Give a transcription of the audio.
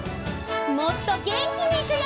もっとげんきにいくよ！